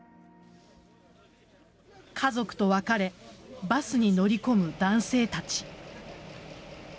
家族と別れバスに乗り込む男性たち。